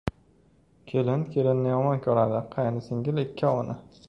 • Kelin kelinni yomon ko‘radi, qaynisingil ikkovini.